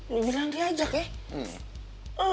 lu bilang diajak ya